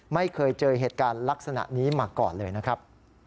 ไม่เคยเจอเหตุการณ์ลักษณะนี้มาก่อนเลยนะครับ